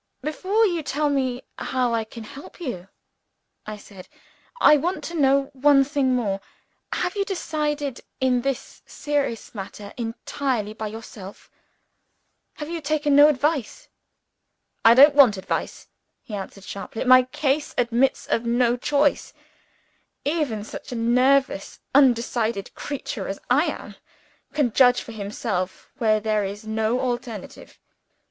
"Before you tell me how I can help you," I said, "I want to know one thing more. Have you decided in this serious matter entirely by yourself? Have you taken no advice?" "I don't want advice," he answered sharply. "My case admits of no choice. Even such a nervous undecided creature as I am, can judge for himself where there is no alternative."